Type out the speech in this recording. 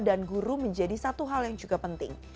guru menjadi satu hal yang juga penting